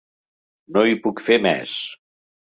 No hi pot fer més.